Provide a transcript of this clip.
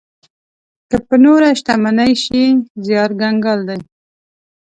که په نوره شتمني شي زيار کنګال دی.